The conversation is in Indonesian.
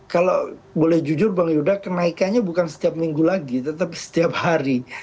kalau boleh jujur bang yuda kenaikannya bukan setiap minggu lagi tetapi setiap hari